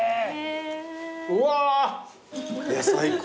うわ最高。